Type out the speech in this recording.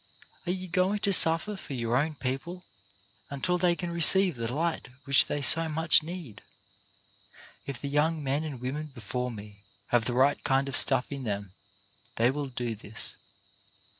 Are you going to suffer for your own people until they can receive the light which they so much need? If the young men and women before me have the right kind of stuff in them they will do this.